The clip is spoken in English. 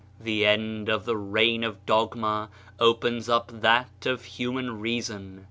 The end of the reign of dogma opens up that of human reason.